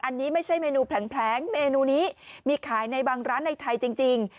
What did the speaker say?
อันนี้ไม่ใช่เมนูแผลงเมนูนี้มีขายในบางร้านในไทยจริง